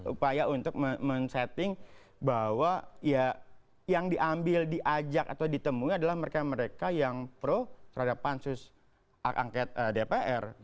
upaya untuk men setting bahwa ya yang diambil diajak atau ditemui adalah mereka mereka yang pro terhadap pansus hak angket dpr